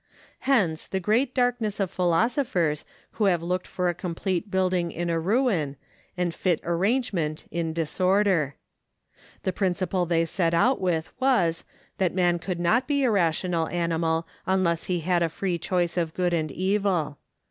Hence the great darkness of philosophers who have looked for a complete building in a ruin, and fit arrangement in disorder. The principle they set out with was, that man could not be a rational animal unless he had a free choice of good and evil.